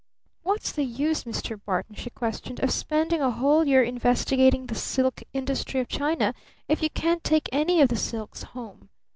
What's the use, Mr. Barton," she questioned, "of spending a whole year investigating the silk industry of China if you can't take any of the silks home?